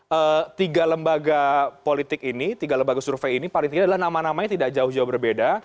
jadi tiga lembaga politik ini tiga lembaga survei ini paling tiga adalah nama namanya tidak jauh jauh berbeda